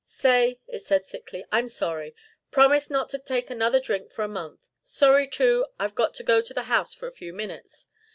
"Say," it said thickly, "I'm sorry. Promise not to take another drink for a month. Sorry, too, I've got to go to the house for a few minutes.